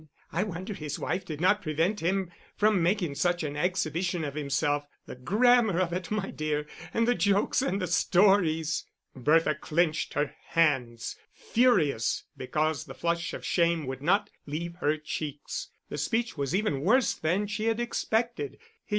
I wonder his wife did not prevent him from making such an exhibition of himself. The grammar of it, my dear; and the jokes, and the stories!!!" Bertha clenched her hands, furious because the flush of shame would not leave her cheeks. The speech was even worse than she had expected.